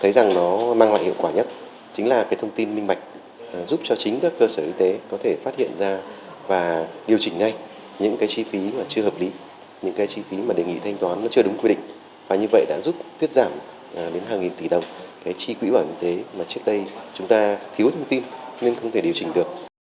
thấy rằng nó mang lại hiệu quả nhất chính là cái thông tin minh mạch giúp cho chính các cơ sở y tế có thể phát hiện ra và điều chỉnh ngay những cái chi phí mà chưa hợp lý những cái chi phí mà đề nghị thanh toán nó chưa đúng quy định và như vậy đã giúp tiết giảm đến hàng nghìn tỷ đồng cái chi quỹ bảo hiểm y tế mà trước đây chúng ta thiếu thông tin nên không thể điều chỉnh được